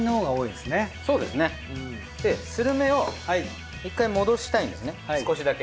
でするめを１回戻したいんですね少しだけ。